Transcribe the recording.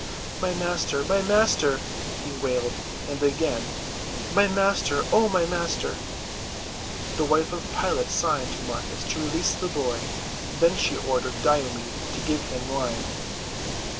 "My Master—my Master!" he wailed. And again, "My Master, oh, my Master!" The wife of Pilate signed to Marcus to release the boy, then she ordered Diomed to give him wine.